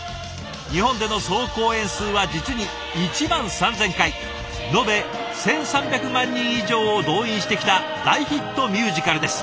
日本での総公演数は実に１万３，０００回延べ１，３００万人以上を動員してきた大ヒットミュージカルです。